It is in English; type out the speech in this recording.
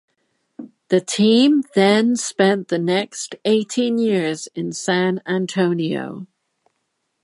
The team then spent the next eighteen years in San Antonio.